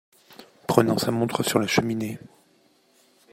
Prenant sa montre sur la cheminée.